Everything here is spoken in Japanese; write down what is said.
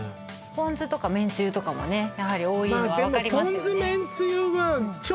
ポン酢とかめんつゆとかもねやはり多いのは分かりますよね